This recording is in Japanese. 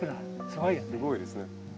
すごいですね。